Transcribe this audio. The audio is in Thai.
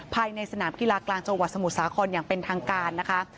ภายในสนามกีฬากลางจังหวัดสมุทรสาครอย่างเป็นทางการนะคะ